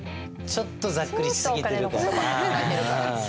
ちょっとざっくりし過ぎてるかな。